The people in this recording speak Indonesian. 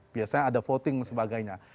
biasanya ada voting dan sebagainya